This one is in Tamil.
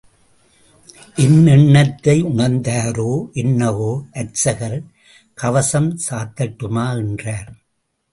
என் எண்ணத்தை உணர்ந்தாரோ என்னவோ அர்ச்சகர் கவசம் சாத்தட்டுமா என்றார்.